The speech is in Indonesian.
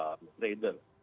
maupun dia sebagai trader